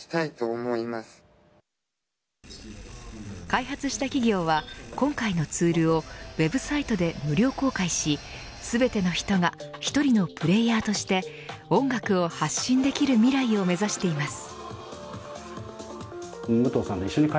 開発した企業は今回のツールをＷＥＢサイトで無料公開しすべての人が１人のプレーヤーとして音楽を発信できる未来を目指しています。